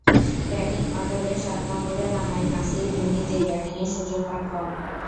Batting অর্ডারে সাত নম্বরে নামায় নাসির এমনিতেই ব্যাটিংয়ের সুযোগ পান কম।